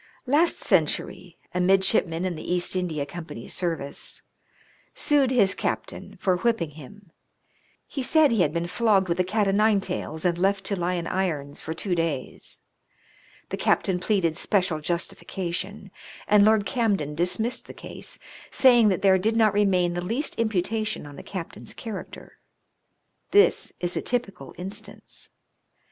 Last century, a midshipman in the East India Company's service, sued his captain for whipping him. He* said he had been flogged with a cat o' nine tails, and left to lie in irons for two days. The captain pleaded special justification, and Lord Camden dis missed the case, saying that there did not remain the least imputation on the captain's character. This is a typical instance.